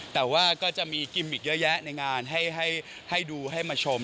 แต่ว่าก็จะมีกิมมิกเยอะแยะในงานให้ดูให้มาชม